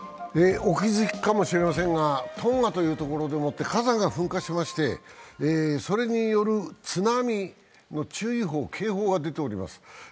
お気づきかもしれませんがトンガというところで火山が噴火しまして、それによる津波の注意報・警報が出ております。